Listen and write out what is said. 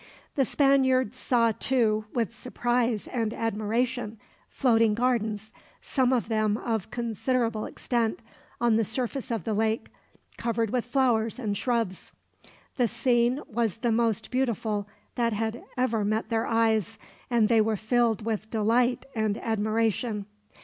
The Spaniards saw, too, with surprise and admiration, floating gardens some of them of considerable extent on the surface of the lake, covered with flowers and shrubs. The scene was the most beautiful that had ever met their eyes, and they were filled with delight and admiration.